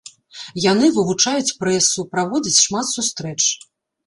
Яны вывучаюць прэсу, праводзяць шмат сустрэч.